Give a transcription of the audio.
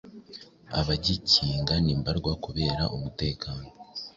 Abagikinga nimbarwa kubera umutekano